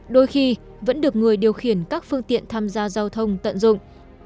đôi khi vẫn được người điều khiển các phương tiện tham gia giao thông tận dụng